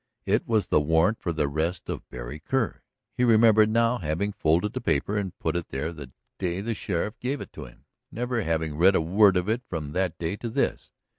It was the warrant for the arrest of Berry Kerr. He remembered now having folded the paper and put it there the day the sheriff gave it to him, never having read a word of it from that day to this.